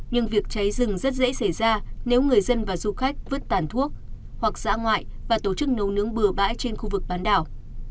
nhưng việc cháy rừng rất dễ xảy ra nếu người dân và du khách vứt tàn thuốc hoặc giã ngoại và tổ chức nấu nướng bừa bãi trên khu vực bán đảo